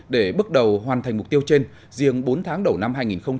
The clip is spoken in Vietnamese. để bước đầu hoàn thành mục tiêu trên riêng bốn tháng đầu năm hai nghìn một mươi chín